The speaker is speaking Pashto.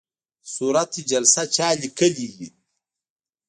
صورت جلسه چا لیکلې وي؟